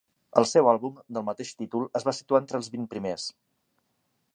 El seu àlbum, del mateix títol, es va situar entre els vint primers.